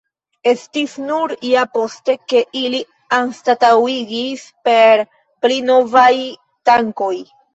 Estis nur ja poste, ke ili anstataŭigis per pli novaj tankoj.